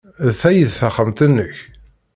D ta ay d taxxamt-nnek?